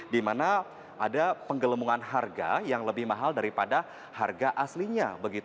dimana ada penggelemungan harga yang lebih mahal daripada harga aslinya